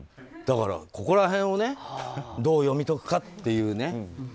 だから、ここら辺をどう読み解くかっていうね。